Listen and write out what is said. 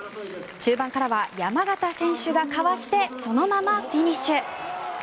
中盤からは山縣選手がかわしてそのままフィニッシュ。